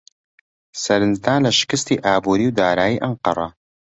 سەرنجدان لە شکستی ئابووری و دارایی ئەنقەرە